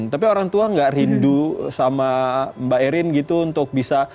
tapi orang tua nggak rindu sama mbak erin gitu untuk bisa